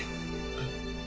えっ？